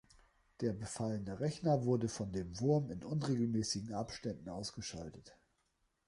Der befallene Rechner wurde von dem Wurm in unregelmäßigen Abständen ausgeschaltet.